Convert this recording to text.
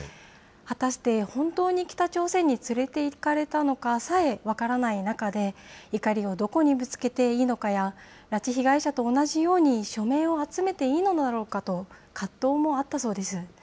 果たして、本当に北朝鮮に連れていかれたのかさえ分からない中で、怒りをどこにぶつけていいのかや、拉致被害者と同じように署名を集めていいのだろうかと葛藤もあったそうです。